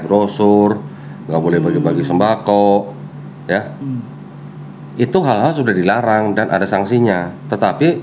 rosur nggak boleh bagi bagi sembako ya itu hal hal sudah dilarang dan ada sanksinya tetapi